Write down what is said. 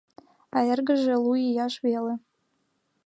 А эргыже лу ияш веле